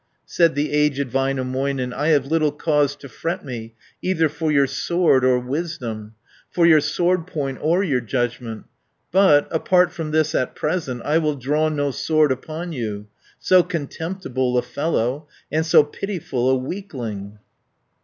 Said the aged Väinämöinen, "I have little cause to fret me Either for your sword or wisdom, For your sword point or your judgment. But, apart from this at present, I will draw no sword upon you, So contemptible a fellow, And so pitiful a weakling."